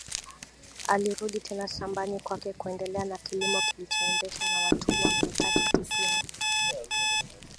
Alirudi tena shambani kwake kuendelea na kilimo kilichoendeshwa na watumwa mia tatu tisini